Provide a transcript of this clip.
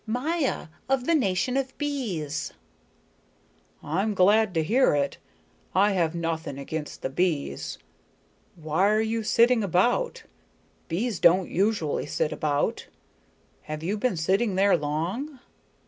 "Maya, of the nation of bees." "I'm glad to hear it. I have nothing against the bees. Why are you sitting about? Bees don't usually sit about. Have you been sitting there long?"